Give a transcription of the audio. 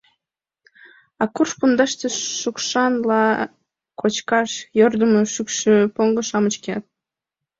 А курш пундаште шукшан ла кочкаш йӧрдымӧ шӱкшӱ поҥго-шамыч кият.